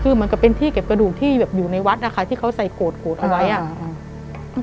คือเหมือนกับเป็นที่เก็บกระดูกที่แบบอยู่ในวัดนะคะที่เขาใส่โกรธโกรธเอาไว้อ่ะอืม